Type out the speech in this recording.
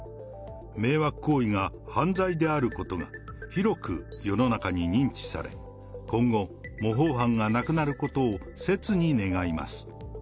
迷惑行為が犯罪であることが、広く世の中に認知され、今後、模倣犯がなくなることを切に願います。